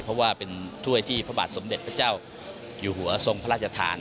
เพราะว่าเป็นถ้วยที่พระบาทสมเด็จพระเจ้าอยู่หัวทรงพระราชทาน